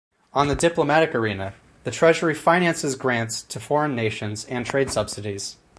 On the Diplomatic arena the treasury finances grants to foreign nations and trade subsidies.